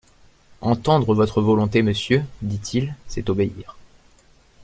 Entendre votre volonté, monsieur, dit-il, c'est obéir.